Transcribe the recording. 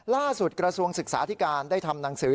กระทรวงศึกษาธิการได้ทำหนังสือ